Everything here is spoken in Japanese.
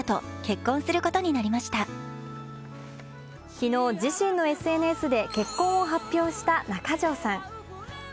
昨日、自身のＳＮＳで結婚を発表した中条さん。